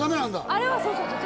あれはそうそう。